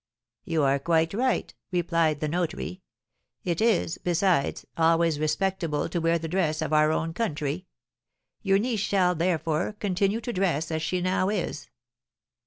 'You are quite right,' replied the notary; 'it is, besides, always respectable to wear the dress of our own country; your niece shall, therefore, continue to dress as she now is.'